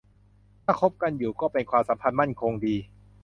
ถ้าคบกันอยู่ก็เป็นความสัมพันธ์มั่นคงดี